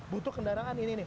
butuh kendaraan ini ini